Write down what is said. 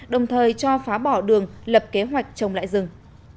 đồng thời cho phá bỏ đường lập kế hoạch trồng lại rừng